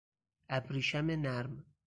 ابریشم نرم